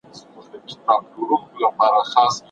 زکات د غریبانو ستونزي حل کوي.